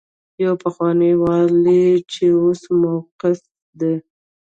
يو پخوانی والي چې اوس موقوف دی.